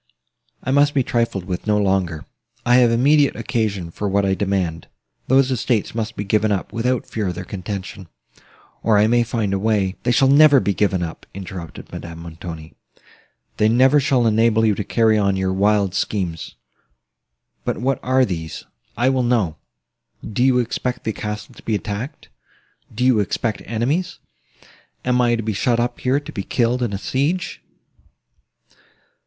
I must be trifled with no longer. I have immediate occasion for what I demand—those estates must be given up, without further contention; or I may find a way—" "They never shall be given up," interrupted Madame Montoni: "they never shall enable you to carry on your wild schemes;—but what are these? I will know. Do you expect the castle to be attacked? Do you expect enemies? Am I to be shut up here, to be killed in a siege?"